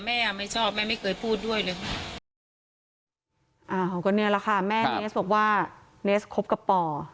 แม่เนสบอกว่าเนสคบกับป่อ